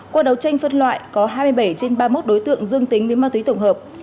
qua đấu tranh phân loại có hai mươi bảy trên ba mươi một đối tượng dương tính với ma túy tổng hợp